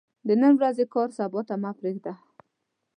د نن ورځې کار سبا ته مه پريږده